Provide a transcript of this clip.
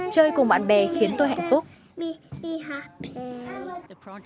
chơi cùng bạn bè khiến tôi hạnh phúc